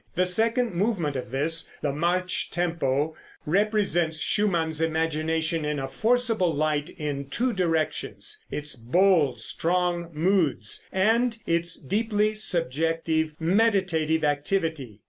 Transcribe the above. The second movement of this, the march tempo, represents Schumann's imagination in a forcible light in two directions its bold, strong moods, and its deeply subjective, meditative activity.